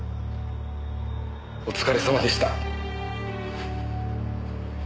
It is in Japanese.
お疲れさまでした。